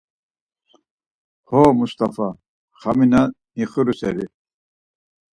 “Ho! Must̆afa xami na nixiru seri.”